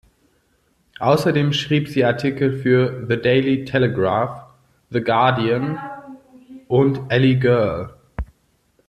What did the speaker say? Außerdem schrieb sie Artikel für "The Daily Telegraph", "The Guardian" und "Elle Girl".